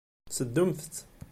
Seddumt-t.